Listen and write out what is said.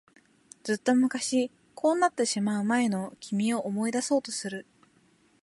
ずっと昔、こうなってしまう前の君を思い出そうとする。